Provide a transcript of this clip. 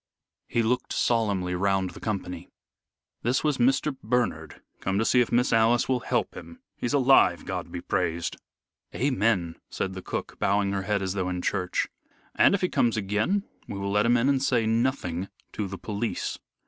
He looked solemnly round the company. "This was Mr. Bernard come to see if Miss Alice will help him. He's alive, God be praised!" "Amen," said the cook, bowing her head as though in church. "And if he comes again, we will let him in and say nothing to the police."